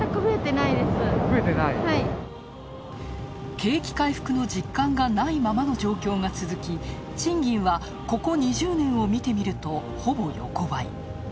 景気回復の実感がないままの状況が続き賃金はここ２０年を見てみると、ほぼ横ばい。